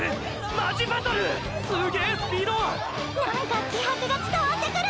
なんか気迫が伝わってくる！！